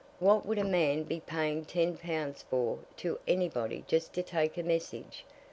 What would a man be paying ten pounds for to anybody just to take a message?